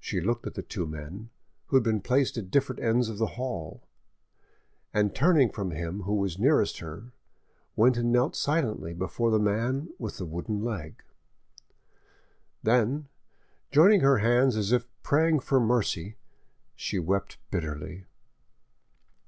She looked at the two men, who had been placed at different ends of the hall, and turning from him who was nearest to her, went and knelt silently before the man with the wooden leg; then, joining her hands as if praying for mercy, she wept bitterly.